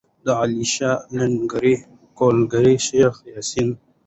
علیشه، لنگر، کولک، شیخ یاسین.